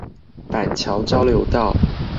板橋交流道